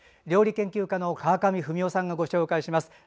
料理研究家の川上文代さんが紹介します。